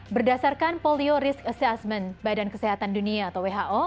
berdasarkan polio risk assessment badan kesehatan dunia atau who